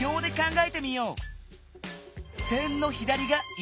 え？